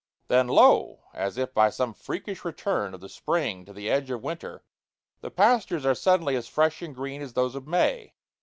Then, lo! as if by some freakish return of the spring to the edge of winter the pastures are suddenly as fresh and green as those of May.